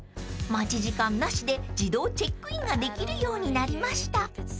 ［待ち時間なしで自動チェックインができるようになりました］